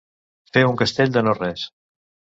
Fer un castell de no res.